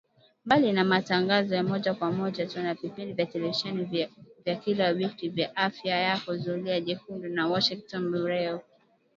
Mbali na matangazo ya moja kwa moja tuna vipindi vya televisheni vya kila wiki vya Afya Yako, Zulia Jekundu na Washington Bureau